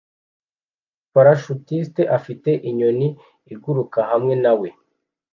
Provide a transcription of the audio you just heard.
Parashutiste afite inyoni iguruka hamwe na we